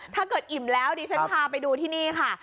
อิ่มแล้วดิฉันพาไปดูที่นี่ค่ะ